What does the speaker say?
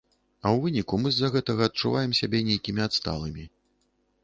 А ў выніку мы з-за гэтага адчуваем сябе нейкімі адсталымі.